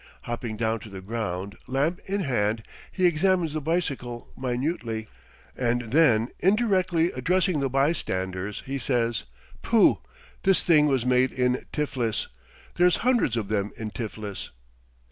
Hopping down to the ground, lamp in hand, he examines the bicycle minutely, and then indirectly addressing the by standers, he says, "Pooh! this thing was made in Tiflis; there's hundreds of them in Tiflis."